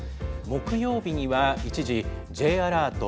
木曜日には一時、Ｊアラート